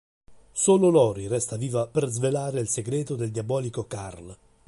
Solo Lori resta viva per svelare il segreto del diabolico Karl.